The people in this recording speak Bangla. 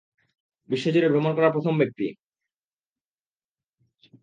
বিশ্বজুড়ে ভ্রমণ করা প্রথম ব্যক্তি।